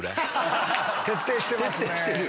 徹底してますね。